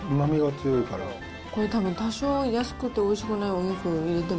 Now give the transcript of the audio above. これたぶん、多少安くておいしくないお肉を入れても。